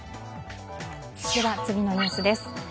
次のニュースです。